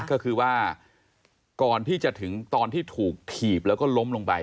ก็คือว่าก่อนที่จะถึงตอนที่ถูกถีบแล้วก็ล้มลงไป